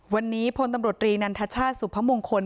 วันนี้พลตำรวจรีนันทชาติสุพมงคล